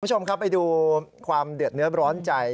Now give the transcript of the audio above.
คุณผู้ชมครับไปดูความเดือดเนื้อร้อนใจ